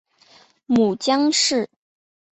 母江氏。